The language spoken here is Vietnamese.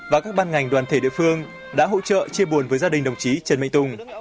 và các ban ngành đoàn thể địa phương đã hỗ trợ chia buồn với gia đình đồng chí trần minh tùng